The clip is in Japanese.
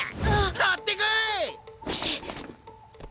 取ってこい！